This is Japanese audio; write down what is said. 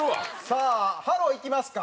さあハローいきますか。